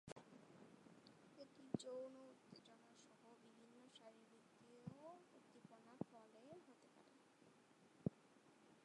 এটি যৌন উত্তেজনা সহ বিভিন্ন শারীরবৃত্তীয় উদ্দীপনার ফলে হতে পারে।